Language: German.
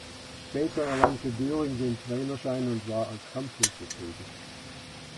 Später erlangte Döring den Trainerschein und war als Kampfrichter tätig.